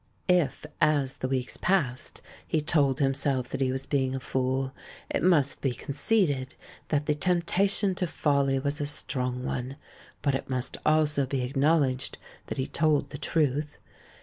If, as the weeks passed, he told himself that he was being a fool, it must be conceded that the temptation to folly was a strong one ; but it must also be acknowledged that he told the truth.